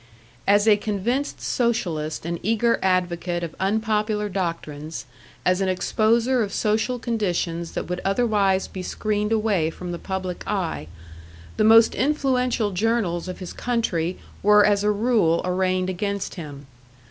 As a convinced socialist and eager advocate of unpopular doctrines, as an exposer of social conditions that would otherwise be screened away from the public eye, the most influential journals of his country were as a rule arraigned against him.